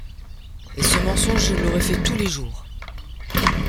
Et ce mensonge, je l’aurais fait tous les jours !